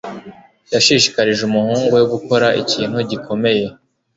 Yashishikarije umuhungu we gukora ikintu gikomeye.